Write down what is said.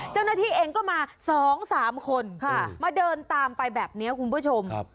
เจ้าหน้าที่เองก็มา๒๓คนมาเดินตามไปแบบนี้คุณผู้ชม